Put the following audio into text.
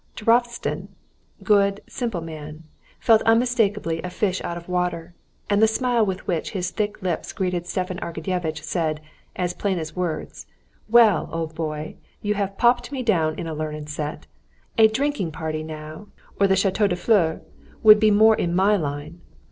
Turovtsin—good, simple man—felt unmistakably a fish out of water, and the smile with which his thick lips greeted Stepan Arkadyevitch said, as plainly as words: "Well, old boy, you have popped me down in a learned set! A drinking party now, or the Château des Fleurs, would be more in my line!"